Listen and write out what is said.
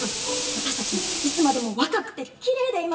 私たちもいつまでも若くてきれいでいましょう！